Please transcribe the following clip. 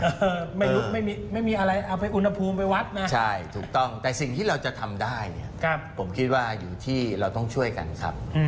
อเจมส์ใช่ถูกต้องแต่สิ่งที่เราจะทำได้ผมคิดว่าอยู่ที่เราต้องช่วยกันครับ